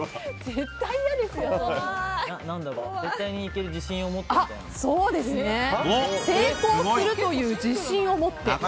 絶対にいける自信を成功するという自信を持って。